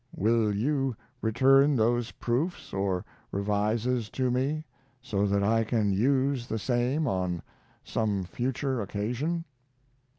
Will you return those proofs or revises to me, so that I can use the same on some future occasion?